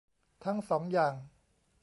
ทั้งสองอย่าง